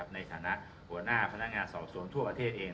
ในฐานะหัวหน้าพนักงานสอบสวนทั่วประเทศเอง